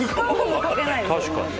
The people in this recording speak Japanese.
確かに。